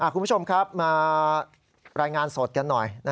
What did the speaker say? คุณผู้ชมครับมารายงานสดกันหน่อย